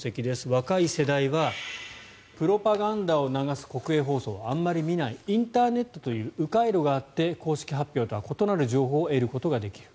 若い世代は、プロパガンダを流す国営放送をあまり見ないインターネットという迂回路があって公式発表とは異なる情報を得ることができる。